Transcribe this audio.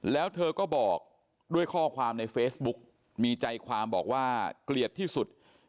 แล้วเธอก็บอกด้วยข้อความในเฟซบุ๊กมีใจความบอกว่าเกลียดที่สุด